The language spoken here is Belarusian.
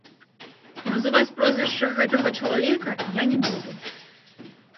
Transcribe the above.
Называць прозвішча гэтага чалавека я не буду.